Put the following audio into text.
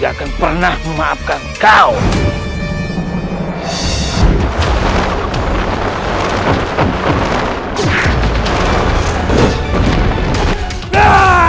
atau kejayaan paduka raja